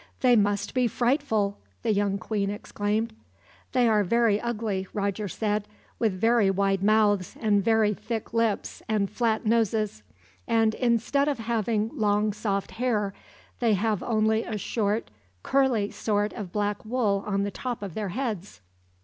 "They must be frightful!" the young queen exclaimed. "They are very ugly," Roger said, "with very wide mouths and very thick lips, and flat noses; and instead of having long soft hair, they have only a short, curly sort of black wool on the top of their heads."